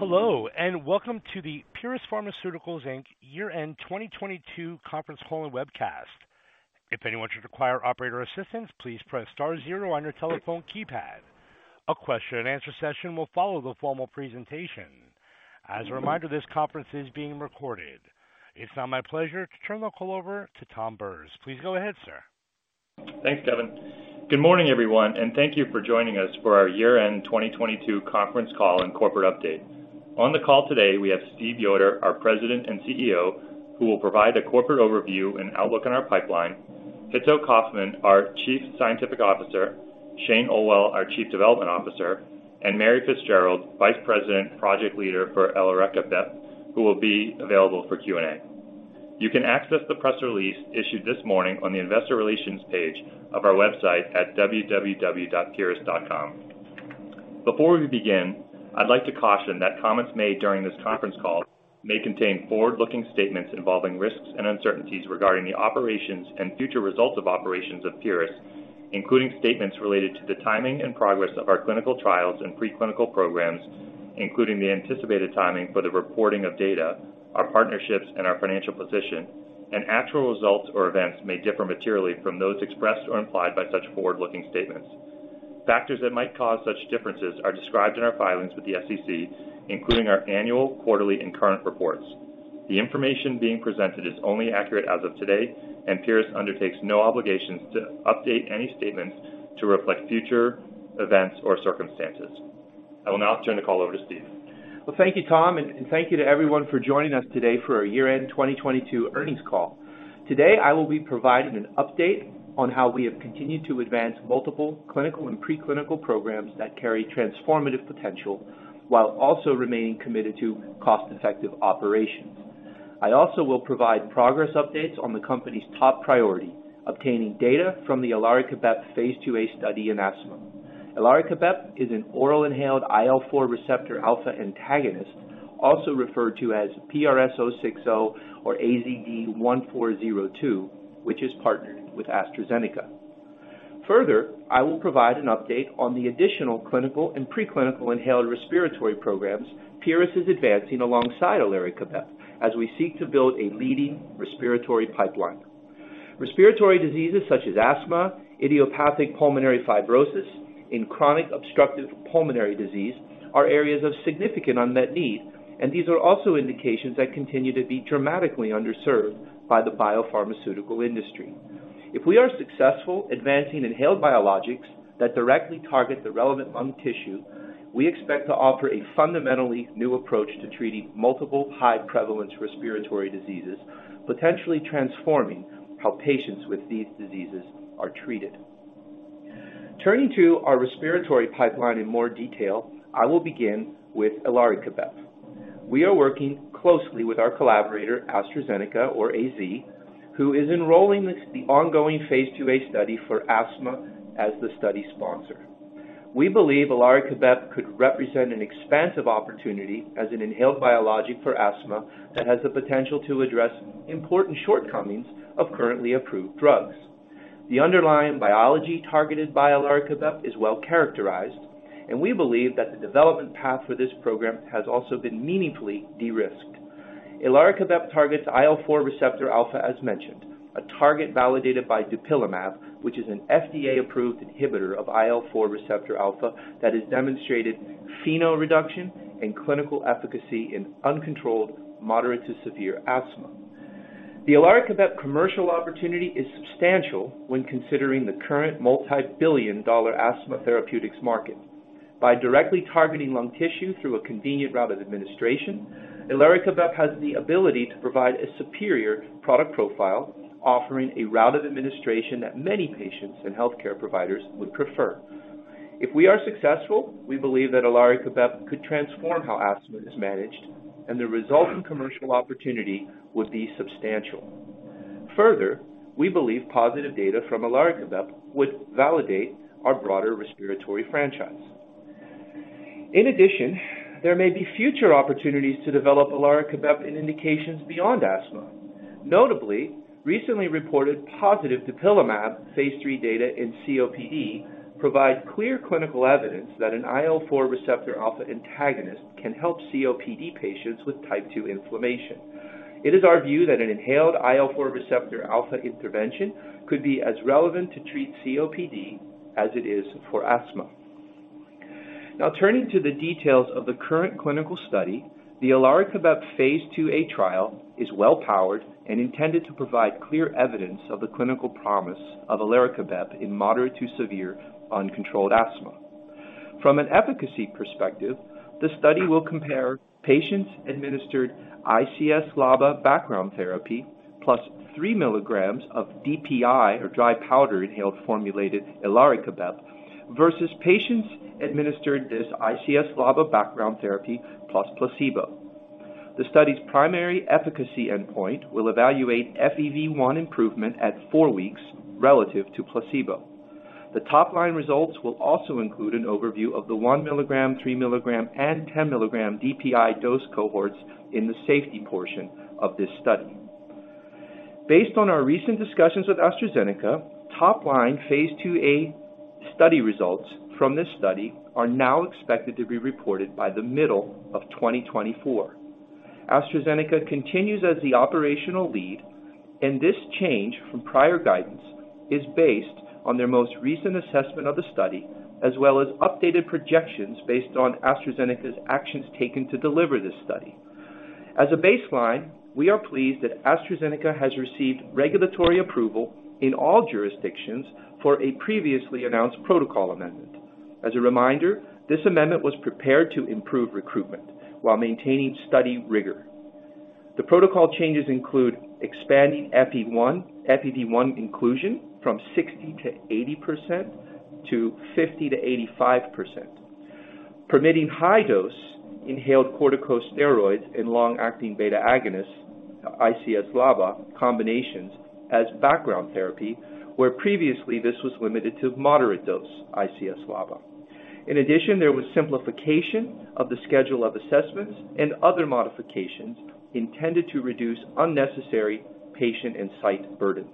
Hello. Welcome to the Pieris Pharmaceuticals Inc. Year-end 2022 conference call and webcast. If anyone should require operator assistance, please press star 0 on your telephone keypad. A question-and-answer session will follow the formal presentation. As a reminder, this conference is being recorded. It's now my pleasure to turn the call over to Thomas Bures. Please go ahead, sir. Thanks, Kevin. Good morning, everyone, thank you for joining us for our year-end 2022 conference call and corporate update. On the call today, we have Steve Yoder, our President and CEO, who will provide a corporate overview and outlook on our pipeline, Hitto Kaufmann, our Chief Scientific Officer, Shane Olwill, our Chief Development Officer, and Mary Fitzgerald, Vice President, Project Leader for Elarekibep, who will be available for Q&A. You can access the press release issued this morning on the investor relations page of our website at www.pieris.com. Before we begin, I'd like to caution that comments made during this conference call may contain forward-looking statements involving risks and uncertainties regarding the operations and future results of operations of Pieris, including statements related to the timing and progress of our clinical trials and preclinical programs, including the anticipated timing for the reporting of data, our partnerships and our financial position. Actual results or events may differ materially from those expressed or implied by such forward-looking statements. Factors that might cause such differences are described in our filings with the SEC, including our annual, quarterly, and current reports. The information being presented is only accurate as of today, and Pieris undertakes no obligations to update any statements to reflect future events or circumstances. I will now turn the call over to Steve. Thank you, Tom, and thank you to everyone for joining us today for our year-end 2022 earnings call. Today, I will be providing an update on how we have continued to advance multiple clinical and preclinical programs that carry transformative potential while also remaining committed to cost-effective operations. I also will provide progress updates on the company's top priority, obtaining data from the Elarekibep phase IIa study in asthma. Elarekibep is an oral inhaled IL-4 receptor alpha antagonist, also referred to as PRS-060 or AZD1402, which is partnered with AstraZeneca. I will provide an update on the additional clinical and preclinical inhaled respiratory programs Pieris is advancing alongside Elarekibep as we seek to build a leading respiratory pipeline. Respiratory diseases such as asthma, idiopathic pulmonary fibrosis, and chronic obstructive pulmonary disease are areas of significant unmet need. These are also indications that continue to be dramatically underserved by the biopharmaceutical industry. If we are successful advancing inhaled biologics that directly target the relevant lung tissue, we expect to offer a fundamentally new approach to treating multiple high-prevalence respiratory diseases, potentially transforming how patients with these diseases are treated. Turning to our respiratory pipeline in more detail, I will begin with Elarekibep. We are working closely with our collaborator, AstraZeneca or AZ, who is enrolling the ongoing phase IIa study for asthma as the study sponsor. We believe Elarekibep could represent an expansive opportunity as an inhaled biologic for asthma that has the potential to address important shortcomings of currently approved drugs. The underlying biology targeted by Elarekibep is well characterized, and we believe that the development path for this program has also been meaningfully de-risked. Elarekibep targets IL-4 receptor alpha as mentioned, a target validated by dupilumab, which is an FDA-approved inhibitor of IL-4 receptor alpha that has demonstrated FeNO reduction and clinical efficacy in uncontrolled moderate to severe asthma. The Elarekibep commercial opportunity is substantial when considering the current multi-billion-dollar asthma therapeutics market. By directly targeting lung tissue through a convenient route of administration, Elarekibep has the ability to provide a superior product profile, offering a route of administration that many patients and healthcare providers would prefer. If we are successful, we believe that Elarekibep could transform how asthma is managed, and the resulting commercial opportunity would be substantial. We believe positive data from Elarekibep would validate our broader respiratory franchise. In addition, there may be future opportunities to develop Elarekibep in indications beyond asthma. Notably, recently reported positive dupilumab phase III data in COPD provide clear clinical evidence that an IL-4 receptor alpha antagonist can help COPD patients with Type 2 inflammation. It is our view that an inhaled IL-4 receptor alpha intervention could be as relevant to treat COPD as it is for asthma. Turning to the details of the current clinical study, the Elarekibep phase IIa trial is well powered and intended to provide clear evidence of the clinical promise of Elarekibep in moderate to severe uncontrolled asthma. From an efficacy perspective, the study will compare patients administered ICS/LABA background therapy +3 mg of DPI or dry powder inhaled formulated Elarekibep versus patients administered this ICS/LABA background therapy plus placebo. The study's primary efficacy endpoint will evaluate FEV1 improvement at 4 weeks relative to placebo. The top-line results will also include an overview of the 1 mg, 3 mg, and 10 mg DPI dose cohorts in the safety portion of this study. Based on our recent discussions with AstraZeneca, top-line phase IIa study results from this study are now expected to be reported by the middle of 2024. AstraZeneca continues as the operational lead, this change from prior guidance is based on their most recent assessment of the study, as well as updated projections based on AstraZeneca's actions taken to deliver this study. As a baseline, we are pleased that AstraZeneca has received regulatory approval in all jurisdictions for a previously announced protocol amendment. As a reminder, this amendment was prepared to improve recruitment while maintaining study rigor. The protocol changes include expanding FEV1 inclusion from 60%-80% to 50%-85%, permitting high dose inhaled corticosteroids and long-acting beta agonists, ICS/LABA combinations as background therapy, where previously this was limited to moderate dose ICS/LABA. There was simplification of the schedule of assessments and other modifications intended to reduce unnecessary patient and site burdens.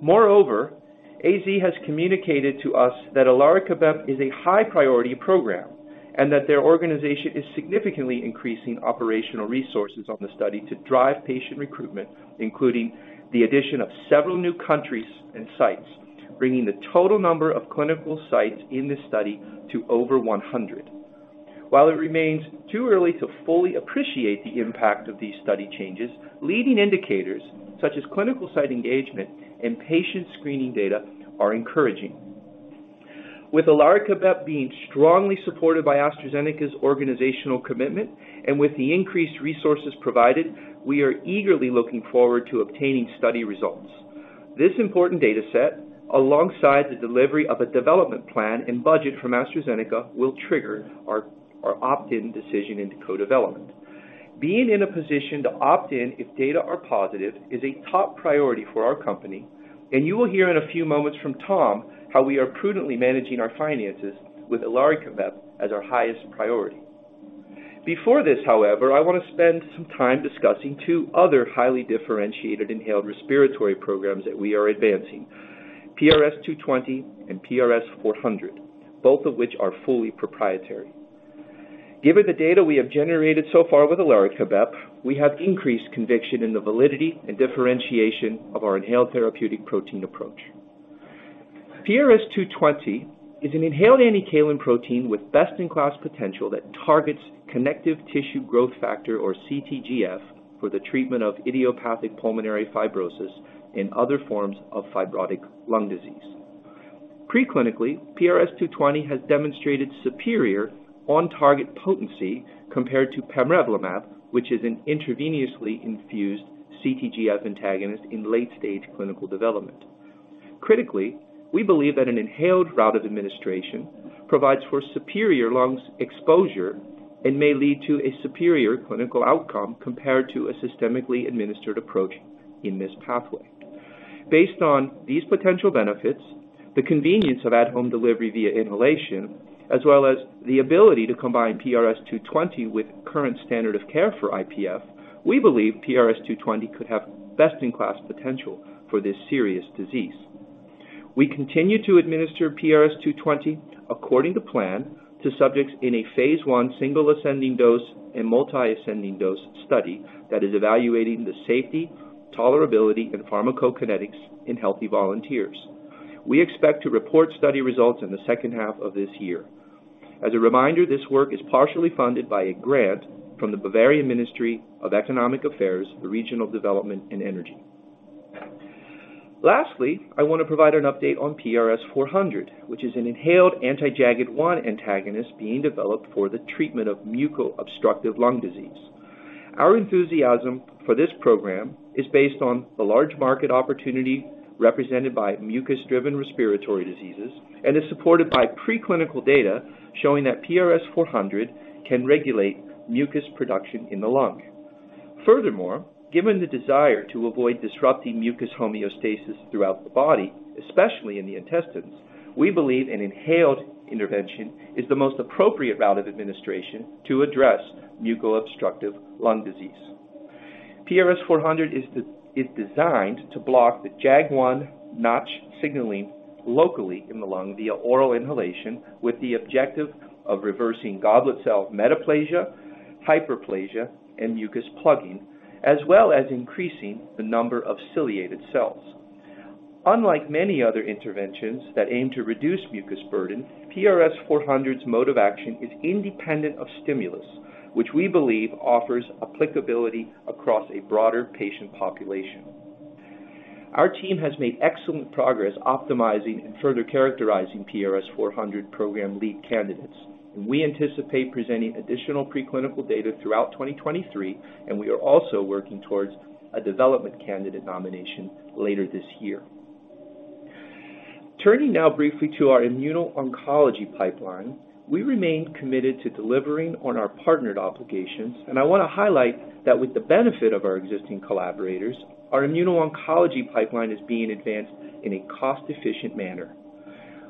AstraZeneca has communicated to us that Elarekibep is a high priority program and that their organization is significantly increasing operational resources on the study to drive patient recruitment, including the addition of several new countries and sites, bringing the total number of clinical sites in this study to over 100. It remains too early to fully appreciate the impact of these study changes, leading indicators such as clinical site engagement and patient screening data are encouraging. With Elarekibep being strongly supported by AstraZeneca's organizational commitment and with the increased resources provided, we are eagerly looking forward to obtaining study results. This important data set, alongside the delivery of a development plan and budget from AstraZeneca, will trigger our opt-in decision into co-development. Being in a position to opt in if data are positive is a top priority for our company, and you will hear in a few moments from Tom how we are prudently managing our finances with Elarekibep as our highest priority. Before this, however, I want to spend some time discussing two other highly differentiated inhaled respiratory programs that we are advancing, PRS-220 and PRS-400, both of which are fully proprietary. Given the data we have generated so far with Elarekibep, we have increased conviction in the validity and differentiation of our inhaled therapeutic protein approach. PRS-220 is an inhaled Anticalin protein with best-in-class potential that targets connective tissue growth factor, or CTGF, for the treatment of idiopathic pulmonary fibrosis and other forms of fibrotic lung disease. Preclinically, PRS-220 has demonstrated superior on-target potency compared to pamrevlumab, which is an intravenously infused CTGF antagonist in late-stage clinical development. Critically, we believe that an inhaled route of administration provides for superior lungs exposure and may lead to a superior clinical outcome compared to a systemically administered approach in this pathway. Based on these potential benefits, the convenience of at-home delivery via inhalation, as well as the ability to combine PRS-220 with current standard of care for IPF, we believe PRS-220 could have best-in-class potential for this serious disease. We continue to administer PRS-220 according to plan to subjects in a phase I single ascending dose and multiple ascending dose study that is evaluating the safety, tolerability, and pharmacokinetics in healthy volunteers. We expect to report study results in the second half of this year. As a reminder, this work is partially funded by a grant from the Bavarian Ministry of Economic Affairs, Regional Development, and Energy. Lastly, I want to provide an update on PRS-400, which is an inhaled anti-JAG1 antagonist being developed for the treatment of muco-obstructive lung disease. Our enthusiasm for this program is based on the large market opportunity represented by mucus-driven respiratory diseases and is supported by preclinical data showing that PRS-400 can regulate mucus production in the lung. Furthermore, given the desire to avoid disrupting mucus homeostasis throughout the body, especially in the intestines, we believe an inhaled intervention is the most appropriate route of administration to address muco-obstructive lung disease. PRS-400 is designed to block the JAG1/Notch signaling locally in the lung via oral inhalation with the objective of reversing goblet cell metaplasia, hyperplasia, and mucus plugging, as well as increasing the number of ciliated cells. Unlike many other interventions that aim to reduce mucus burden, PRS-400's mode of action is independent of stimulus, which we believe offers applicability across a broader patient population. Our team has made excellent progress optimizing and further characterizing PRS-400 program lead candidates. We anticipate presenting additional preclinical data throughout 2023, and we are also working towards a development candidate nomination later this year. Turning now briefly to our immuno-oncology pipeline, we remain committed to delivering on our partnered obligations. I want to highlight that with the benefit of our existing collaborators, our immuno-oncology pipeline is being advanced in a cost-efficient manner.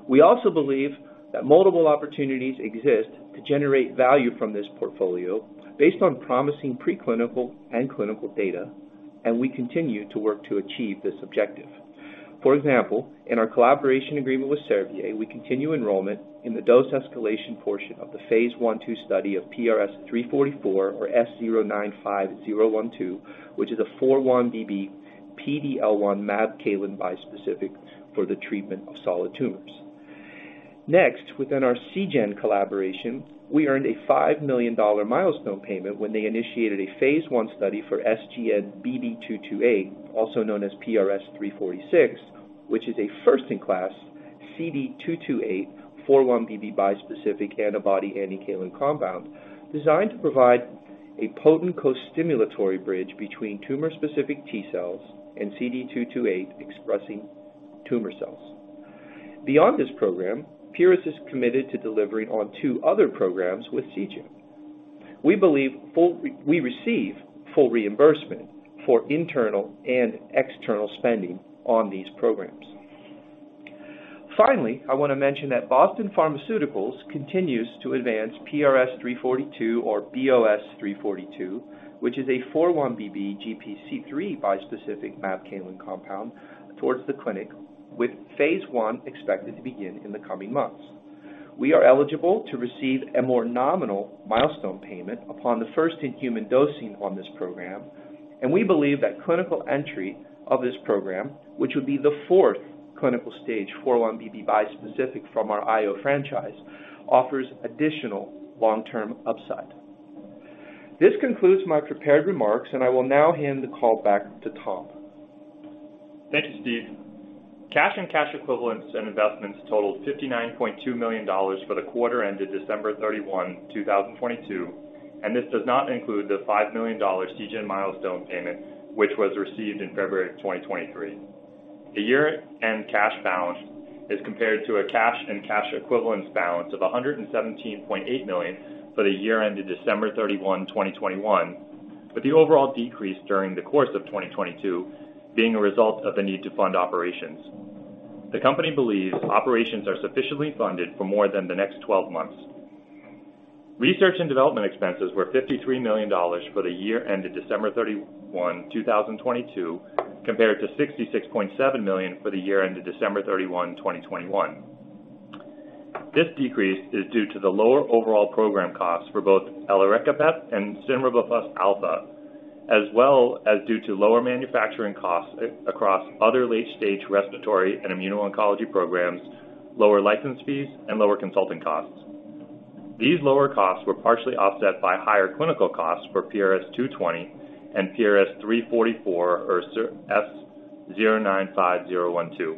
We also believe that multiple opportunities exist to generate value from this portfolio based on promising preclinical and clinical data, and we continue to work to achieve this objective. For example, in our collaboration agreement with Servier, we continue enrollment in the dose escalation portion of the phase I-phase II study of PRS-344 or S095012, which is a 4-1BB PD-L1 Mabcalin bispecific for the treatment of solid tumors. Within our Seagen collaboration, we earned a $5 million milestone payment when they initiated a phase I study for SGN-BB228, also known as PRS-346, which is a first in class CD228 4-1BB bispecific antibody Anticalin compound designed to provide a potent co-stimulatory bridge between tumor-specific T cells and CD228 expressing tumor cells. Beyond this program, Pieris is committed to delivering on two other programs with Seagen. We receive full reimbursement for internal and external spending on these programs. I wanna mention that Boston Pharmaceuticals continues to advance PRS-342 or BOS-342, which is a 4-1BB GPC3 bispecific Mabcalin compound towards the clinic with phase I expected to begin in the coming months. We are eligible to receive a more nominal milestone payment upon the first human dosing on this program, and we believe that clinical entry of this program, which would be the fourth clinical stage 4-1BB bispecific from our IO franchise, offers additional long-term upside. This concludes my prepared remarks, and I will now hand the call back to Tom. Thank you, Steve. Cash and cash equivalents and investments totaled $59.2 million for the quarter ended December 31st, 2022. This does not include the $5 million Seagen milestone payment, which was received in February 2023. The year-end cash balance is compared to a cash and cash equivalents balance of $117.8 million for the year ended December 31st, 2021, with the overall decrease during the course of 2022 being a result of the need to fund operations. The company believes operations are sufficiently funded for more than the next 12 months. Research and development expenses were $53 million for the year ended December 31st, 2022, compared to $66.7 million for the year ended December 31st, 2021. This decrease is due to the lower overall program costs for both Elarekibep and CIMAvax-EGF, as well as due to lower manufacturing costs across other late-stage respiratory and immuno-oncology programs, lower license fees, and lower consulting costs. These lower costs were partially offset by higher clinical costs for PRS-220 and PRS-344 or S095012.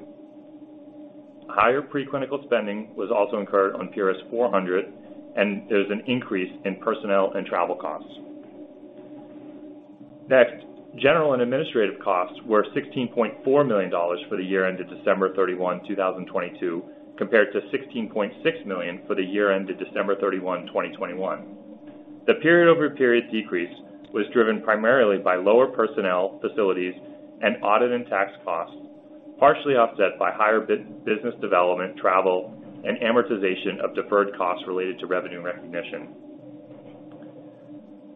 Higher preclinical spending was also incurred on PRS-400. There's an increase in personnel and travel costs. General and administrative costs were $16.4 million for the year ended December 31st, 2022, compared to $16.6 million for the year ended December 31st, 2021. The period-over-period decrease was driven primarily by lower personnel, facilities, and audit and tax costs, partially offset by higher business development, travel, and amortization of deferred costs related to revenue recognition.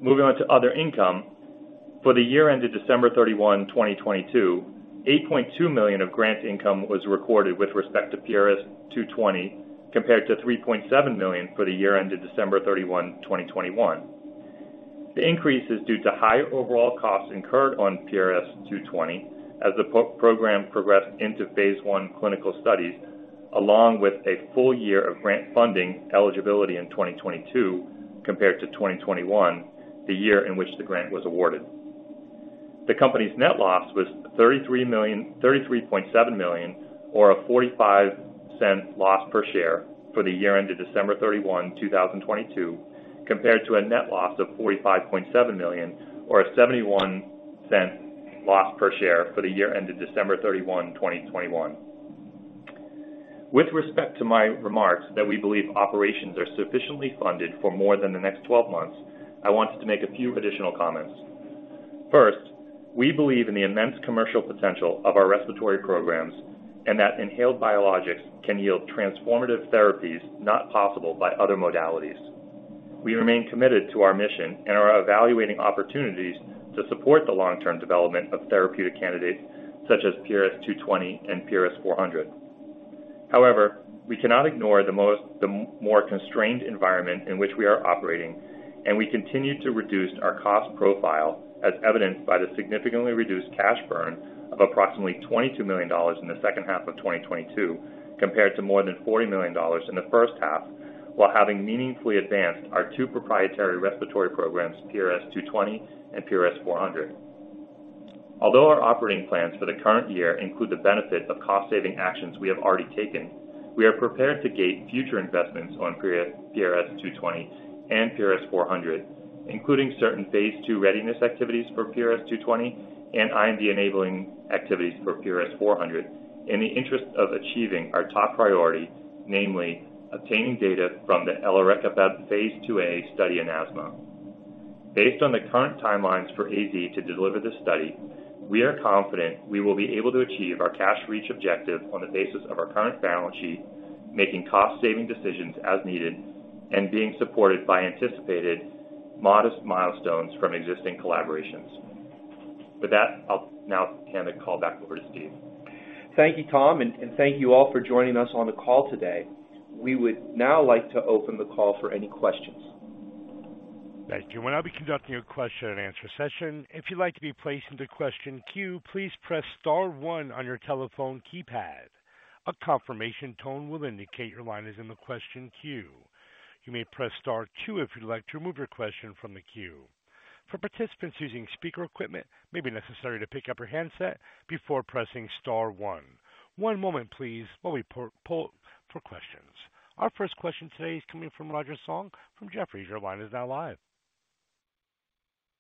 Moving on to other income. For the year ended December 31st, 2022, $8.2 million of grant income was recorded with respect to PRS-220, compared to $3.7 million for the year ended December 31st, 2021. The increase is due to higher overall costs incurred on PRS-220 as the program progressed into phase I clinical studies, along with a full year of grant funding eligibility in 2022 compared to 2021, the year in which the grant was awarded. The company's net loss was $33.7 million or a $0.45 loss per share for the year ended December 31st, 2022, compared to a net loss of $45.7 million or a $0.71 loss per share for the year ended December 31st, 2021. With respect to my remarks that we believe operations are sufficiently funded for more than the 12-months, I wanted to make a few additional comments. First, we believe in the immense commercial potential of our respiratory programs and that inhaled biologics can yield transformative therapies not possible by other modalities. We remain committed to our mission and are evaluating opportunities to support the long-term development of therapeutic candidates such as PRS-220 and PRS-400. However, we cannot ignore the more constrained environment in which we are operating, and we continue to reduce our cost profile as evidenced by the significantly reduced cash burn of approximately $22 million in the second half of 2022 compared to more than $40 million in the first half while having meaningfully advanced our two proprietary respiratory programs, PRS-220 and PRS-400. Although our operating plans for the current year include the benefit of cost-saving actions we have already taken, we are prepared to gate future investments on PRS-220 and PRS-400, including certain phase II readiness activities for PRS-220 and IND enabling activities for PRS-400 in the interest of achieving our top priority, namely obtaining data from theElarekibep phase IIa study in asthma. Based on the current timelines for AZ to deliver the study, we are confident we will be able to achieve our cash reach objective on the basis of our current balance sheet, making cost-saving decisions as needed and being supported by anticipated modest milestones from existing collaborations. With that, I'll now hand the call back over to Steve. Thank you, Tom, and thank you all for joining us on the call today. We would now like to open the call for any questions. Thank you. We'll now be conducting a question-and-answer session. If you'd like to be placed into question queue, please press star 1 on your telephone keypad. A confirmation tone will indicate your line is in the question queue. You may press star two if you'd like to remove your question from the queue. For participants using speaker equipment, it may be necessary to pick up your handset before pressing star one. One moment please while we poll for questions. Our first question today is coming from Roger Song from Jefferies. Your line is now live.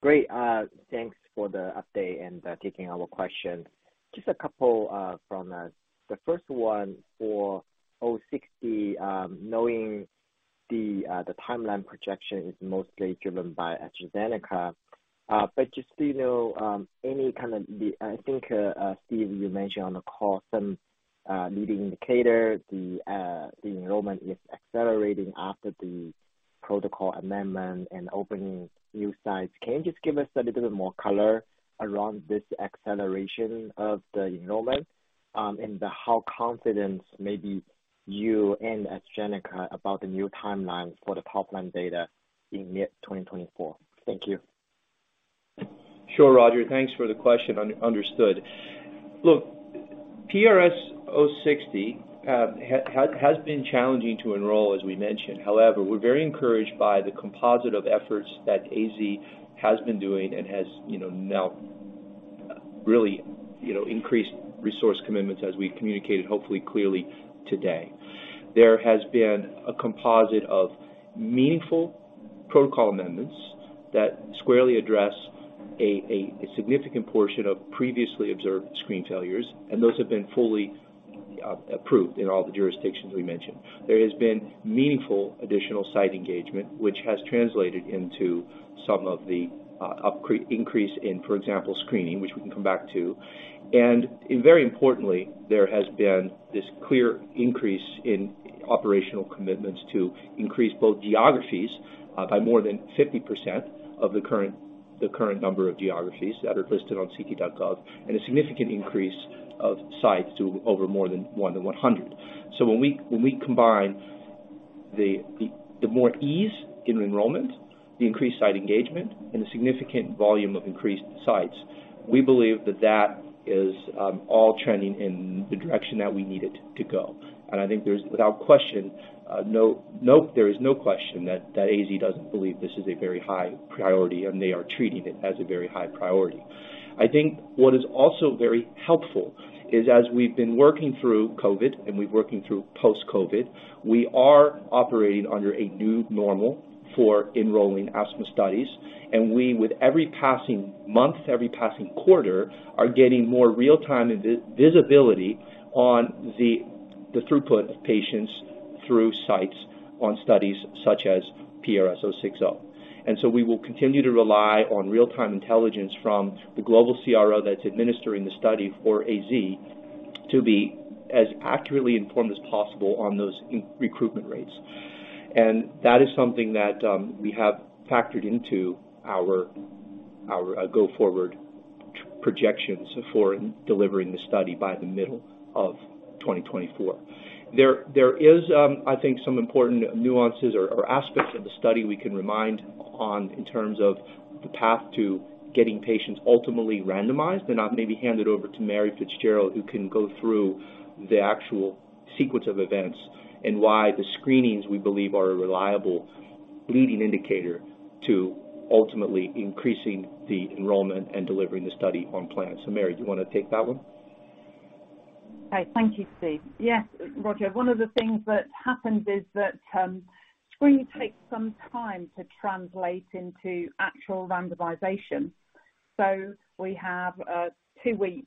Great. Thanks for the update and taking our question. Just a couple from us. The first one for 060, knowing the timeline projection is mostly driven by AstraZeneca. Just so you know, I think Steve, you mentioned on the call some leading indicator, the enrollment is accelerating after the protocol amendment and opening new sites. Can you just give us a little bit more color around this acceleration of the enrollment and how confident maybe you and AstraZeneca about the new timeline for the top-line data in mid-2024? Thank you. Sure, Roger. Thanks for the question. Look, PRS-060 has been challenging to enroll, as we mentioned. However, we're very encouraged by the composite of efforts that AZ has been doing and has, you know, now really, you know, increased resource commitments as we communicated, hopefully clearly today. There has been a composite of meaningful protocol amendments that squarely address a significant portion of previously observed screen failures, and those have been fully approved in all the jurisdictions we mentioned. There has been meaningful additional site engagement, which has translated into some of the increase in, for example, screening, which we can come back to. Very importantly, there has been this clear increase in operational commitments to increase both geographies by more than 50% of the current number of geographies that are listed on ClinicalTrials.gov, and a significant increase of sites to over more than 100. When we combine the more ease in enrollment, the increased site engagement, and the significant volume of increased sites, we believe that that is all trending in the direction that we need it to go. I think there's without question, there is no question that AstraZeneca doesn't believe this is a very high priority, and they are treating it as a very high priority. I think what is also very helpful is as we've been working through COVID, and we're working through post-COVID, we are operating under a new normal for enrolling asthma studies. We, with every passing month, every passing quarter, are getting more real-time visibility on the throughput of patients through sites on studies such as PRS-060. We will continue to rely on real-time intelligence from the global CRO that's administering the study for AZ to be as accurately informed as possible on those recruitment rates. That is something that we have factored into our go-forward projections for delivering the study by the middle of 2024. There is I think some important nuances or aspects of the study we can remind on in terms of the path to getting patients ultimately randomized. I'll maybe hand it over to Mary Fitzgerald, who can go through the actual sequence of events and why the screenings we believe are a reliable leading indicator to ultimately increasing the enrollment and delivering the study on plan. Mary, do you wanna take that one? Okay. Thank you, Steve. Yes, Roger. One of the things that happens is that screening takes some time to translate into actual randomization. We have a 2-week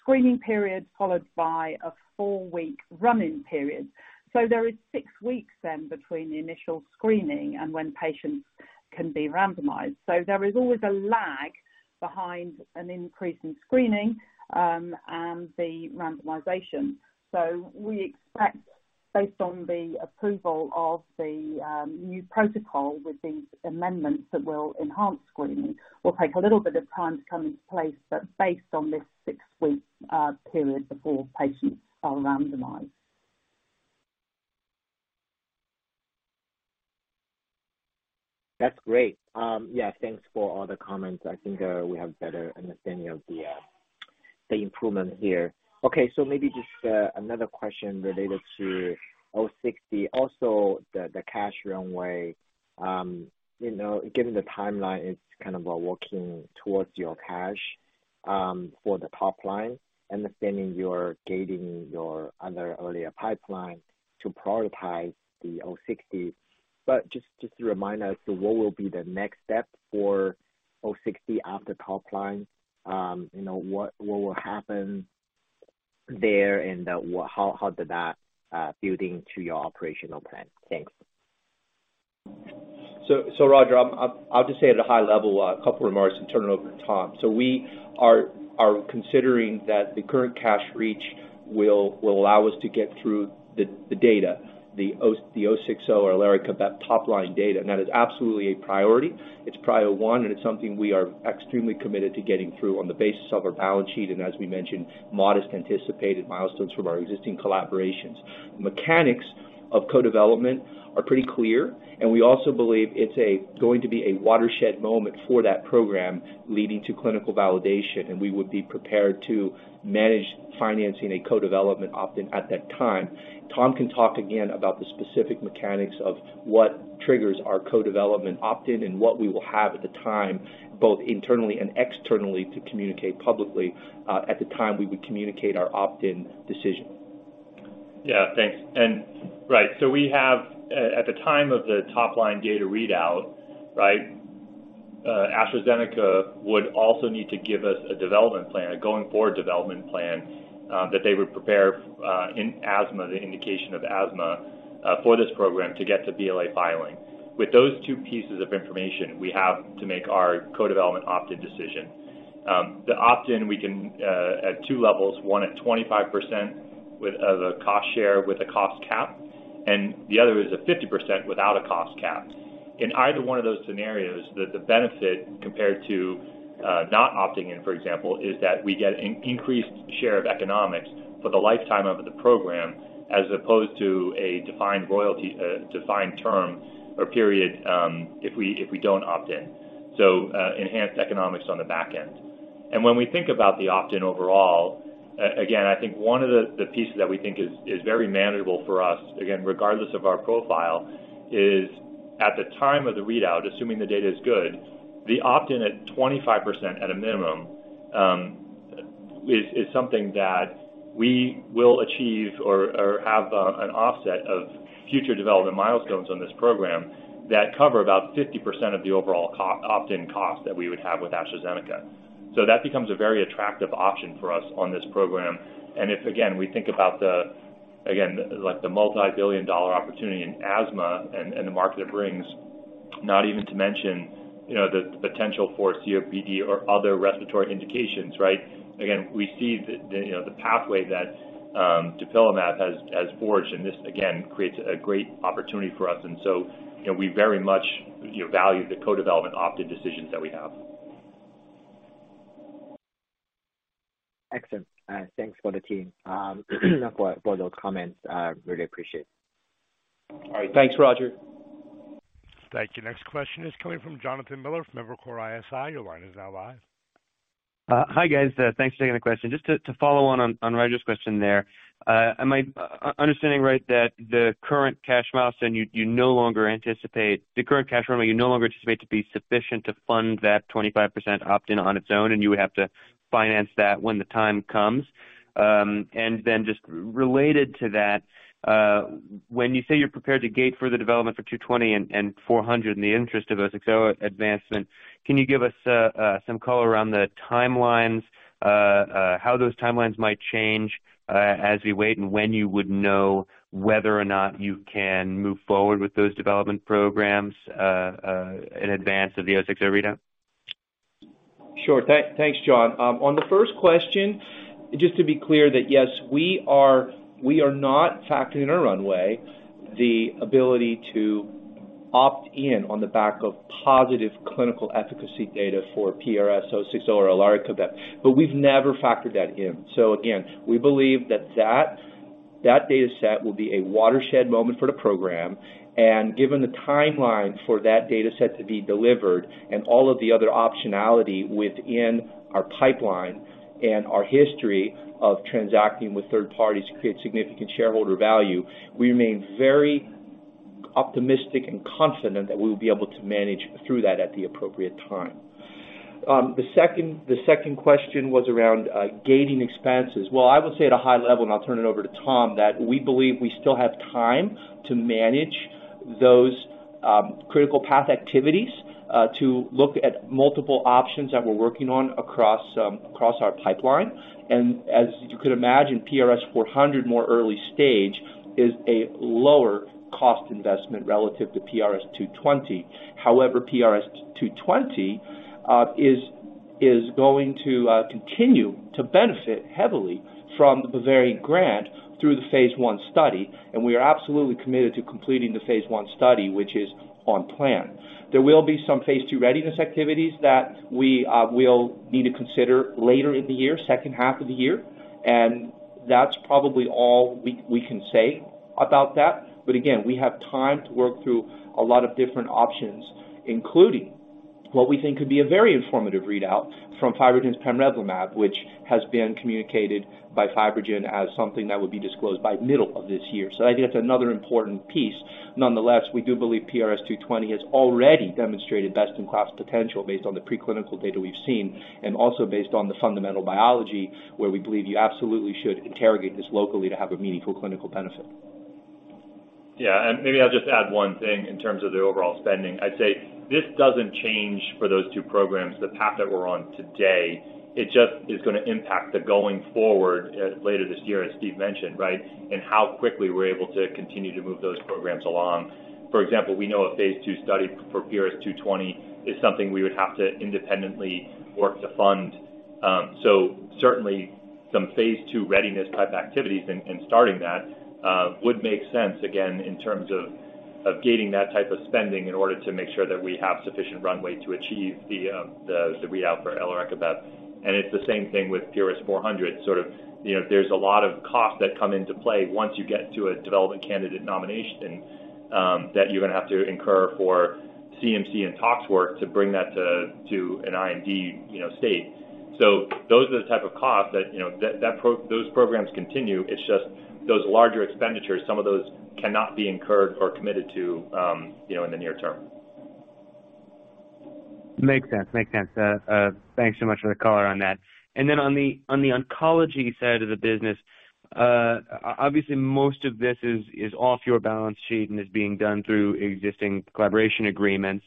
screening period followed by a 4-week run-in period. There is 6-weeks then between the initial screening and when patients can be randomized. There is always a lag behind an increase in screening and the randomization. We expect based on the approval of the new protocol with these amendments that will enhance screening will take a little bit of time to come into place, but based on this 6-week period before patients are randomized. That's great. Yeah, thanks for all the comments. I think we have better understanding of the improvement here. Okay. Maybe just another question related to PRS-060, also the cash runway. You know, given the timeline, it's kind of working towards your cash for the top line, understanding you're gating your other earlier pipeline to prioritize the PRS-060. Just to remind us, what will be the next step for PRS-060 after top line? You know, what will happen there and how did that build into your operational plan? Thanks. Roger, I'll just say at a high level, a couple remarks and turn it over to Tom. We are considering that the current cash reach will allow us to get through the data, the 060 or Elarekibep top line data. That is absolutely a priority. It's prio one, it's something we are extremely committed to getting through on the basis of our balance sheet, as we mentioned, modest anticipated milestones from our existing collaborations. The mechanics of co-development are pretty clear, we also believe it's a going to be a watershed moment for that program leading to clinical validation, we would be prepared to manage financing a co-development opt-in at that time. Tom can talk again about the specific mechanics of what triggers our co-development opt-in and what we will have at the time, both internally and externally, to communicate publicly, at the time we would communicate our opt-in decision. Yeah. Thanks. Right. We have at the time of the top line data readout, right, AstraZeneca would also need to give us a development plan, a going forward development plan, that they would prepare in asthma, the indication of asthma, for this program to get to BLA filing. With those 2 pieces of information, we have to make our co-development opt-in decision. The opt-in we can at 2 levels, one at 25% with the cost share with a cost cap, and the other is a 50% without a cost cap. In either one of those scenarios, the benefit compared to not opting in, for example, is that we get increased share of economics for the lifetime of the program as opposed to a defined royalty, defined term or period, if we don't opt in. Enhanced economics on the back end. When we think about the opt-in overall, again, I think one of the pieces that we think is very manageable for us, again, regardless of our profile, is at the time of the readout, assuming the data is good, the opt-in at 25% at a minimum, is something that we will achieve or have an offset of future development milestones on this program that cover about 50% of the overall co-opt-in cost that we would have with AstraZeneca. That becomes a very attractive option for us on this program. If, again, we think about the multi-billion dollar opportunity in asthma and the market it brings, not even to mention, you know, the potential for COPD or other respiratory indications, right? Again, we see the pathway that dupilumab has forged, and this again creates a great opportunity for us. You know, we very much value the co-development opt-in decisions that we have. Excellent. Thanks for the team, for those comments. Really appreciate. All right. Thanks, Roger. Thank you. Next question is coming from Jonathan Miller from Evercore ISI. Your line is now live. Hi, guys. Thanks for taking the question. Just to follow on Roger's question there, am I understanding right that the current cash milestone, you no longer anticipate to be sufficient to fund that 25% opt-in on its own, and you would have to finance that when the time comes. Just related to that, when you say you're prepared to gate for the development for 220 and 400 in the interest of 060 advancement, can you give us some color around the timelines, how those timelines might change as we wait, and when you would know whether or not you can move forward with those development programs in advance of the 060 readout? Sure. Thanks, John. On the first question, just to be clear that yes, we are not factoring in our runway the ability to opt in on the back of positive clinical efficacy data for PRS-060 or Elarekibep, but we've never factored that in. Again, we believe that data set will be a watershed moment for the program. Given the timeline for that data set to be delivered and all of the other optionality within our pipeline and our history of transacting with third parties to create significant shareholder value, we remain very optimistic and confident that we'll be able to manage through that at the appropriate time. The second question was around gating expenses. I would say at a high level, and I'll turn it over to Tom, that we believe we still have time to manage those critical path activities, to look at multiple options that we're working on across our pipeline. As you could imagine, PRS-400, more early stage, is a lower cost investment relative to PRS-220. PRS-220 is going to continue to benefit heavily from the Bavarian grant through the phase I study, and we are absolutely committed to completing the phase I study, which is on plan. There will be some phase II readiness activities that we will need to consider later in the year, second half of the year, and that's probably all we can say about that. Again, we have time to work through a lot of different options, including what we think could be a very informative readout from FibroGen's pamrevlumab, which has been communicated by FibroGen as something that would be disclosed by middle of this year. I think that's another important piece. Nonetheless, we do believe PRS-220 has already demonstrated best-in-class potential based on the preclinical data we've seen and also based on the fundamental biology where we believe you absolutely should interrogate this locally to have a meaningful clinical benefit. Yeah, and maybe I'll just add one thing in terms of the overall spending. I'd say this doesn't change for those two programs, the path that we're on today. It just is gonna impact the going forward later this year, as Steve mentioned, right? How quickly we're able to continue to move those programs along. For example, we know a phase II study for PRS-220 is something we would have to independently work to fund. Certainly some phase II readiness type activities and starting that would make sense again in terms of gating that type of spending in order to make sure that we have sufficient runway to achieve the readout for Elarekibep. It's the same thing with PRS-400, sort of, you know, there's a lot of costs that come into play once you get to a development candidate nomination, that you're gonna have to incur for CMC and tox work to bring that to an IND, you know, state. Those are the type of costs that, you know, that, those programs continue. It's just those larger expenditures, some of those cannot be incurred or committed to, you know, in the near term. Makes sense. Makes sense. Thanks so much for the color on that. Then on the, on the oncology side of the business, obviously, most of this is off your balance sheet and is being done through existing collaboration agreements,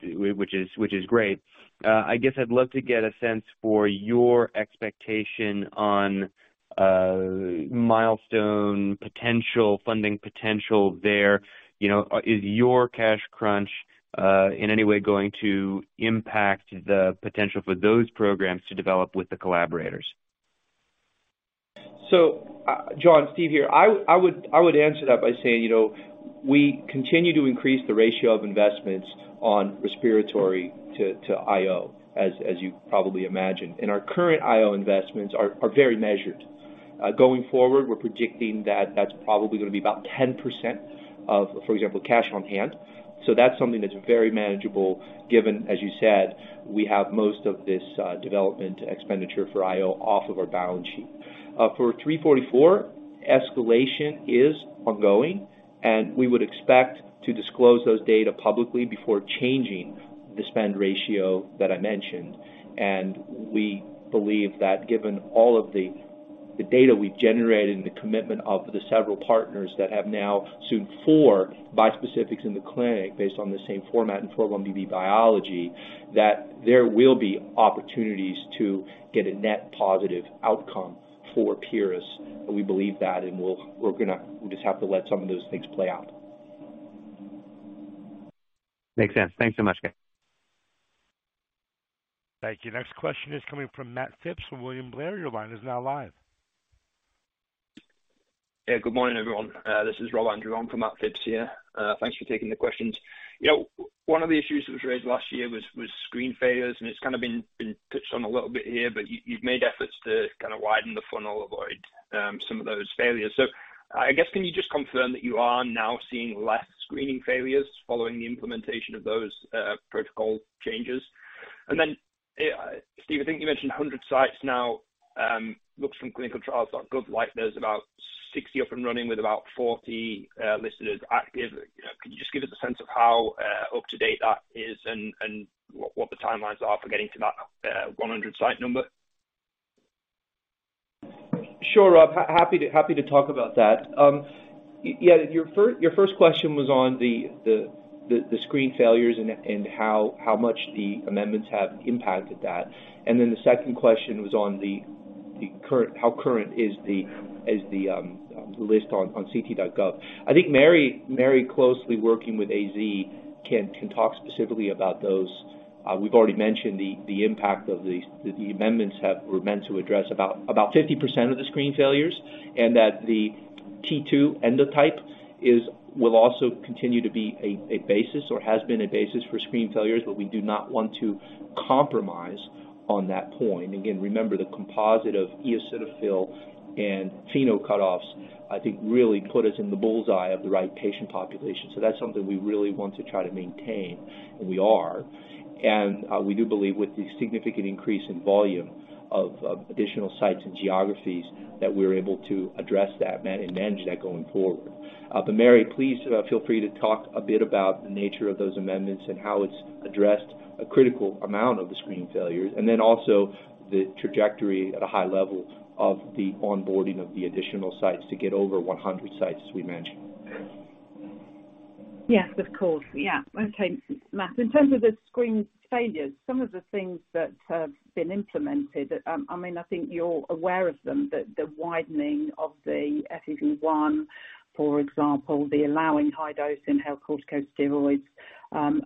which is great. I guess I'd love to get a sense for your expectation on milestone potential, funding potential there. You know, is your cash crunch in any way going to impact the potential for those programs to develop with the collaborators? John, Steve here. I would answer that by saying, you know, we continue to increase the ratio of investments on respiratory to IO, as you probably imagine. Our current IO investments are very measured. Going forward, we're predicting that that's probably gonna be about 10% of, for example, cash on hand. That's something that's very manageable given, as you said, we have most of this development expenditure for IO off of our balance sheet. For PRS-344, escalation is ongoing, and we would expect to disclose those data publicly before changing the spend ratio that I mentioned. We believe that given all of the data we've generated and the commitment of the several partners that have now sued four bispecifics in the clinic based on the same format and program DB biology, that there will be opportunities to get a net positive outcome for Pieris. We believe that, and we're gonna we just have to let some of those things play out. Makes sense. Thanks so much, guys. Thank you. Next question is coming from Matt Phipps from William Blair. Your line is now live. Good morning, everyone. This is Rob Andrew for Matt Phipps here. Thanks for taking the questions. You know, one of the issues that was raised last year was screen failures, and it's kind of been touched on a little bit here, but you've made efforts to kinda widen the funnel, avoid some of those failures. I guess can you just confirm that you are now seeing less screening failures following the implementation of those protocol changes? Steve, I think you mentioned 100 sites now, looks from ClinicalTrials.gov, like there's about 60 up and running with about 40 listed as active. Could you just give us a sense of how up to date that is and what the timelines are for getting to that 100 site number? Sure, Rob. Happy to talk about that. Yeah, your first question was on the screen failures and how much the amendments have impacted that. The second question was on the current how current is the list on ct.gov. I think Mary closely working with AZ can talk specifically about those. We've already mentioned the impact of the amendments were meant to address about 50% of the screen failures, and that the T2 endotype will also continue to be a basis or has been a basis for screen failures, but we do not want to compromise on that point. Again, remember the composite of eosinophil and FeNO cutoffs, I think, really put us in the bull's eye of the right patient population. That's something we really want to try to maintain, and we are. We do believe with the significant increase in volume of additional sites and geographies that we're able to address that and manage that going forward. Mary, please feel free to talk a bit about the nature of those amendments and how it's addressed a critical amount of the screen failures, and then also the trajectory at a high level of the onboarding of the additional sites to get over 100 sites as we mentioned. Yes, of course. Okay, Matt. In terms of the screen failures, some of the things that have been implemented, I mean, I think you're aware of them, the widening of the FEV1, for example, the allowing high dose inhaled corticosteroids,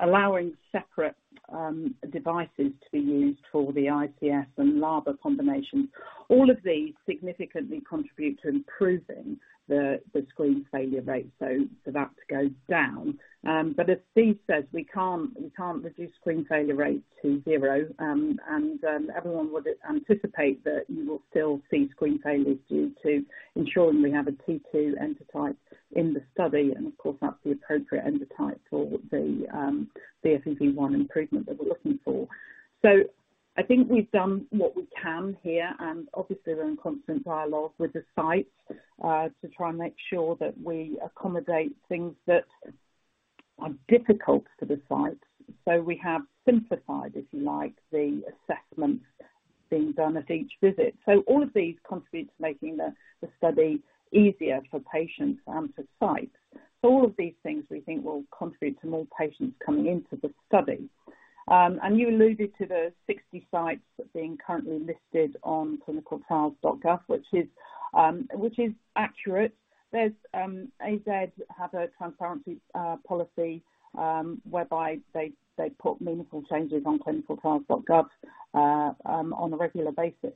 allowing separate devices to be used for the ICS/LABA combinations. All of these significantly contribute to improving the screen failure rate, so for that to go down. As Steve says, we can't reduce screen failure rates to zero. Everyone would anticipate that you will still see screen failures due to ensuring we have a T2 endotype in the study. Of course, that's the appropriate endotype for the FEV1 improvement that we're looking for. I think we've done what we can here, and obviously we're in constant dialogue with the sites, to try and make sure that we accommodate things that are difficult for the site. We have simplified, if you like, the assessment being done at each visit. All of these contribute to making the study easier for patients and for sites. All of these things we think will contribute to more patients coming into the study. You alluded to the 60 sites being currently listed on ClinicalTrials.gov, which is accurate. There's AZ have a transparency policy, whereby they put meaningful changes on ClinicalTrials.gov on a regular basis.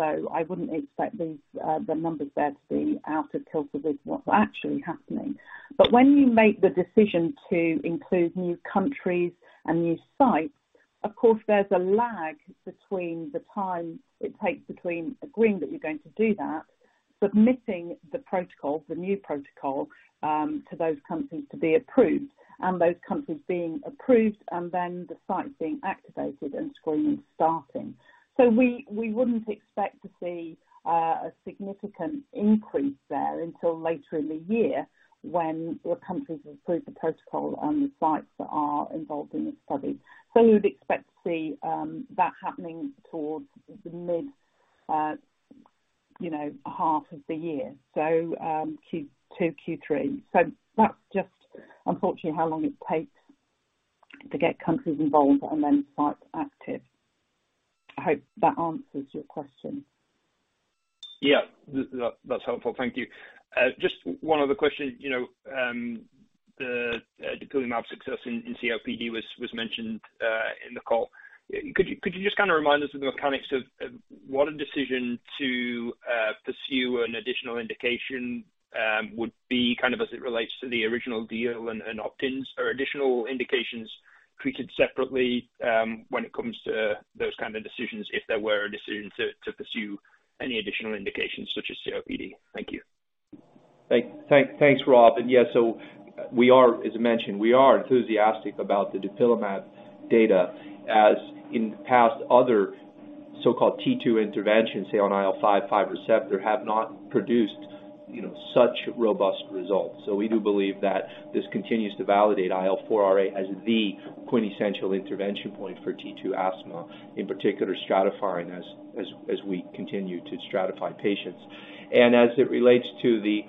I wouldn't expect these the numbers there to be out of kilter with what's actually happening. When you make the decision to include new countries and new sites, of course, there's a lag between the time it takes between agreeing that you're going to do that, submitting the protocol, the new protocol to those countries to be approved, and those countries being approved, and then the site being activated and screening starting. We wouldn't expect to see a significant increase there until later in the year when the countries approve the protocol and the sites are involved in the study. You'd expect to see that happening towards the mid, you know, half of the year, Q2, Q3. That's just unfortunately how long it takes to get countries involved and then sites active. I hope that answers your question. Yeah. That's helpful. Thank you. Just one other question. You know, the dupilumab success in COPD was mentioned in the call. Could you just kind of remind us of the mechanics of what a decision to pursue an additional indication would be kind of as it relates to the original deal and opt-ins or additional indications treated separately when it comes to those kind of decisions, if there were a decision to pursue any additional indications such as COPD? Thank you. Thanks, Rob. Yeah, we are, as I mentioned, we are enthusiastic about the dupilumab data, as in past other so-called T2 interventions, say on IL-5 receptor, have not produced, you know, such robust results. We do believe that this continues to validate IL-4RA as the quintessential intervention point for T2 asthma, in particular stratifying as we continue to stratify patients. As it relates to the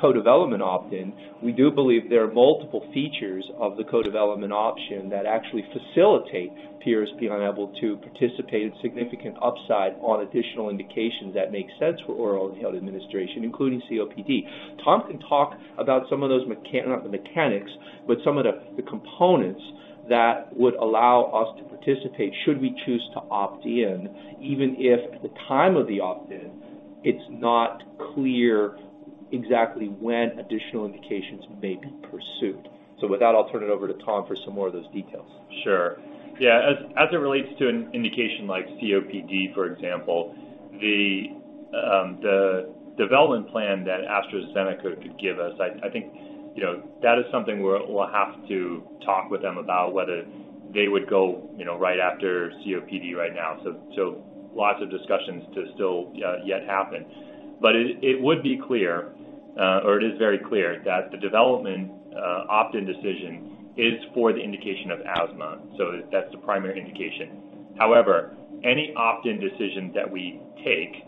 co-development opt-in, we do believe there are multiple features of the co-development option that actually facilitate Pieris being unable to participate in significant upside on additional indications that make sense for oral health administration, including COPD. Tom can talk about some of those not the mechanics, but some of the components that would allow us to participate should we choose to opt in, even if at the time of the opt-in, it's not clear exactly when additional indications may be pursued. With that, I'll turn it over to Tom for some more of those details. Sure. Yeah. As, as it relates to an indication like COPD, for example, the development plan that AstraZeneca could give us, I think, you know, that is something we'll have to talk with them about whether they would go, you know, right after COPD right now. Lots of discussions to still yet happen. It would be clear, or it is very clear that the development opt-in decision is for the indication of asthma. That's the primary indication. However, any opt-in decision that we take,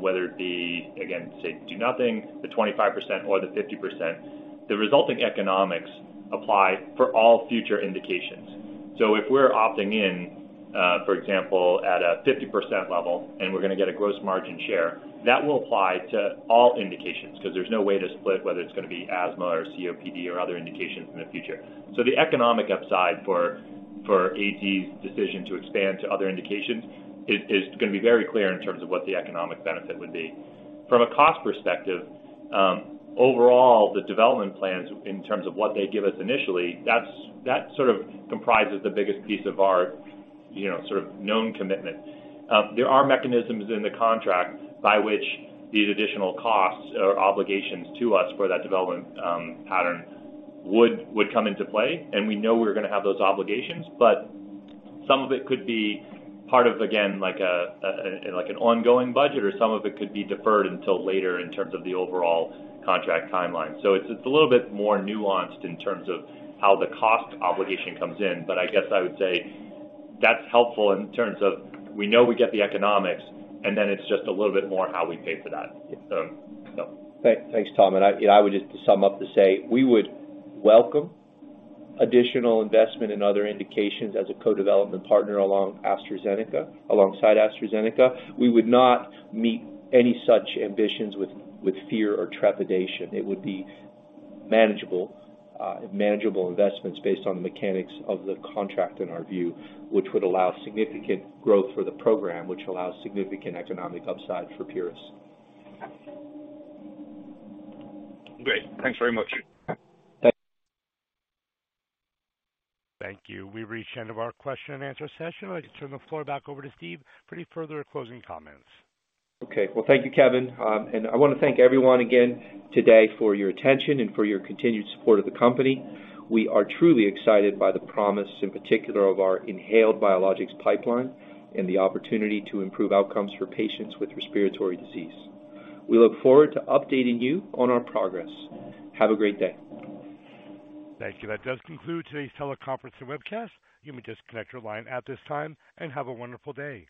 whether it be, again, say, do nothing, the 25% or the 50%, the resulting economics apply for all future indications. If we're opting in, for example, at a 50% level, and we're gonna get a gross margin share, that will apply to all indications because there's no way to split whether it's gonna be asthma or COPD or other indications in the future. The economic upside for AZ's decision to expand to other indications is gonna be very clear in terms of what the economic benefit would be. From a cost perspective, overall, that sort of comprises the biggest piece of our, you know, sort of known commitment. There are mechanisms in the contract by which these additional costs or obligations to us for that development pattern would come into play, and we know we're gonna have those obligations. Some of it could be part of, again, like an ongoing budget or some of it could be deferred until later in terms of the overall contract timeline. It's a little bit more nuanced in terms of how the cost obligation comes in. I guess I would say that's helpful in terms of we know we get the economics, and then it's just a little bit more how we pay for that. Thanks, Tom. I, you know, I would just to sum up to say, we would welcome additional investment in other indications as a co-development partner along AstraZeneca alongside AstraZeneca. We would not meet any such ambitions with fear or trepidation. It would be manageable investments based on the mechanics of the contract in our view, which would allow significant growth for the program, which allows significant economic upside for Pieris. Great. Thanks very much. Yeah. Thanks. Thank you. We've reached the end of our question and answer session. I'd like to turn the floor back over to Steve for any further closing comments. Okay. Well, thank you, Kevin. I wanna thank everyone again today for your attention and for your continued support of the company. We are truly excited by the promise, in particular, of our inhaled biologics pipeline and the opportunity to improve outcomes for patients with respiratory disease. We look forward to updating you on our progress. Have a great day. Thank you. That does conclude today's teleconference and webcast. You may disconnect your line at this time and have a wonderful day.